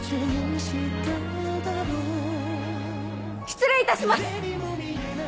失礼いたします！